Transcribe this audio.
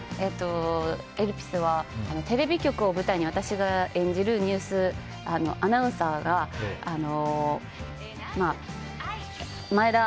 「エルピス」はテレビ局を舞台に私が演じるアナウンサーが眞栄田